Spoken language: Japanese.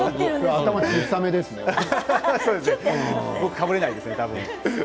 頭が小さめですね。